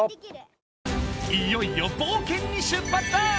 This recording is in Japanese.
いよいよ冒険に出発だ！